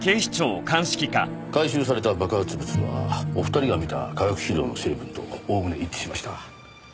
回収された爆発物はお二人が見た化学肥料の成分とおおむね一致しました。